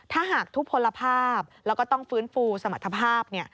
ถ้าหากทุกผลภาพแล้วก็ต้องฟื้นฟูสมรรถภาพ